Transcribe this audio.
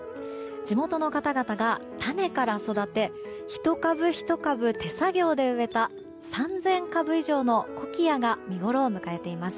地元の方々が種から育て１株１株手作業で植えた３０００株以上のコキアが見ごろを迎えています。